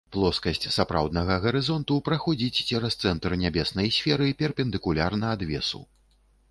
Плоскасць сапраўднага гарызонту праходзіць цераз цэнтр нябеснай сферы перпендыкулярна адвесу.